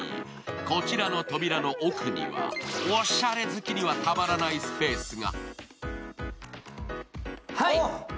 こちらの扉の奥にはおしゃれ好きにはたまらないスペースが。